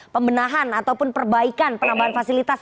pembenahan ataupun perbaikan penambahan fasilitas